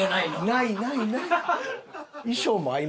ないないない。